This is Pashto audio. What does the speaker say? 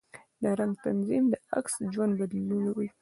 د رنګ تنظیم د عکس ژوند بدلوي.